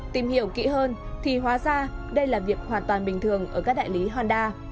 tìm hiểu kỹ hơn thì hóa ra đây là việc hoàn toàn bình thường ở các đại lý honda